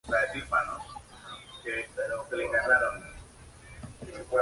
Tino consideraba que el mejor sistema de defensa propia es una ofensa perfeccionada.